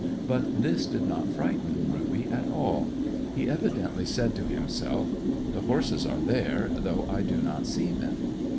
But this did not frighten Ruby at all. He evidently said to himself, "The horses are there, though I do not see them."